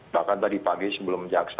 bahkan tadi pagi sebelum jaksa